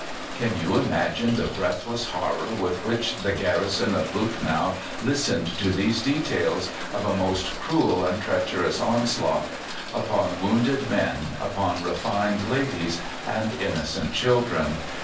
Can you imagine the breathless horror with which the garrison of Lucknow listened to these details of a most cruel and treacherous onslaught upon wounded men, upon refined ladies, and innocent children?